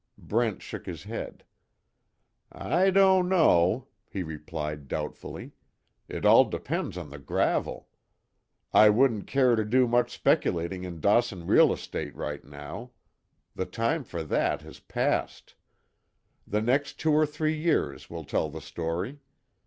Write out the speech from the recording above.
Brent shook his head: "I don't know," he replied, doubtfully, "It all depends on the gravel. I wouldn't care to do much speculating in Dawson real estate right now. The time for that has passed. The next two or three years will tell the story.